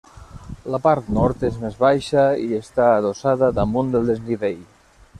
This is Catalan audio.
La part nord és més baixa i està adossada damunt el desnivell.